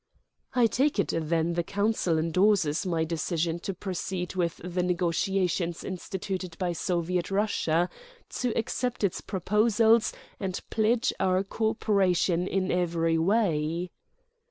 "I take it, then, the Council endorses my decision to proceed with the negotiations instituted by Soviet Russia; to accept its proposals and pledge our cooperation in every way?"